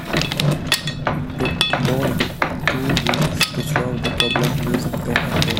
It took Beurling two weeks to solve the problem using pen and paper.